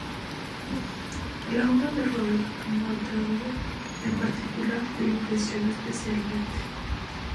La obra de Robert Motherwell, en particular, le impresionó especialmente.